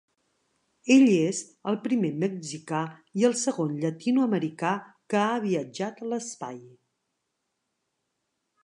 Ell és el primer mexicà i el segon llatinoamericà que ha viatjat a l'espai.